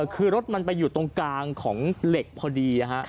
คือรถมันไปอยู่ตรงกลางของเหล็กพอดี